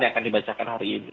yang akan dibacakan hari ini